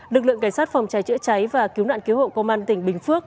lực lượng cảnh sát phòng cháy chữa cháy và cứu nạn cứu hộ công an tỉnh bình phước